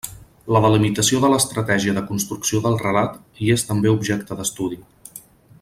La delimitació de l'estratègia de construcció del relat hi és també objecte d'estudi.